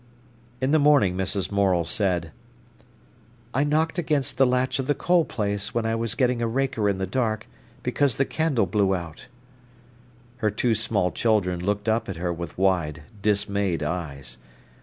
In the morning Mrs. Morel said: "I knocked against the latch of the coal place, when I was getting a raker in the dark, because the candle blew out." Her two small children looked up at her with wide, dismayed eyes.